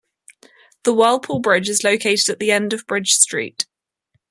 The Whirlpool Bridge is located at the end of Bridge Street.